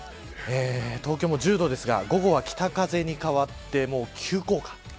東京も１０度ですが、午後は北風に変わって急降下。